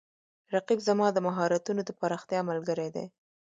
رقیب زما د مهارتونو د پراختیا ملګری دی